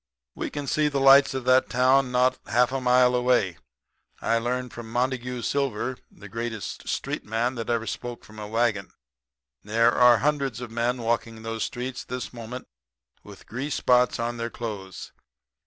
We can see the lights of that town not half a mile away. I learned under Montague Silver, the greatest street man that ever spoke from a wagon. There are hundreds of men walking those streets this moment with grease spots on their clothes.